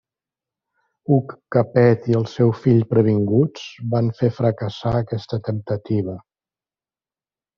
Hug Capet i el seu fill previnguts, van fer fracassar aquesta temptativa.